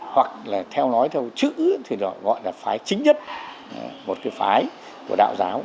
hoặc là theo nói theo chữ thì gọi là phái chính nhất một cái phái của đạo giáo